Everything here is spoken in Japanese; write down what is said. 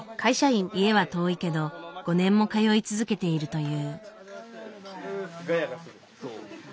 家は遠いけど５年も通い続けているという。